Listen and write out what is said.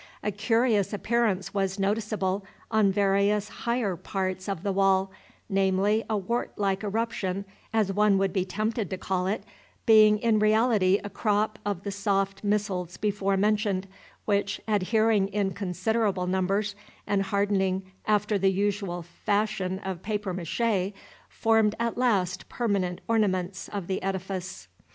A curious appearance was noticeable on various higher parts of the wall: namely, a wart like eruption, as one would be tempted to call it, being in reality a crop of the soft missiles before mentioned, which, adhering in considerable numbers, and hardening after the usual fashion of papier mache, formed at last permanent ornaments of the edifice.